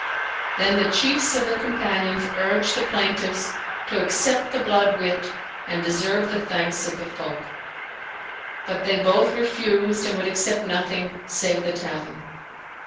Then the chiefs of the Companions urged the plaintiffs to accept the blood wit and deserve the thanks of the folk; but they both refused and would accept nothing save the talion.